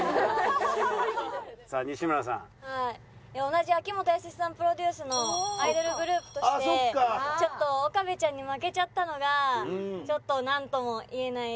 同じ秋元康さんプロデュースのアイドルグループとしてちょっと岡部ちゃんに負けちゃったのがちょっとなんとも言えない。